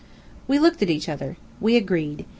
We looked at each other. We agreed.